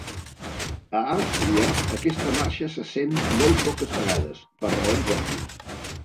A Àustria, aquesta marxa se sent molt poques vegades, per raons òbvies.